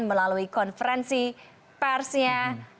melalui konferensi persnya